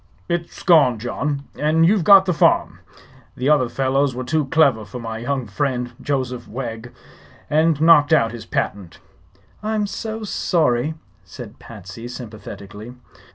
"It's gone, John; and you've got the farm. The other fellows were too clever for my young friend, Joseph Wegg, and knocked out his patent." "I'm so sorry!" said Patsy, sympathetically.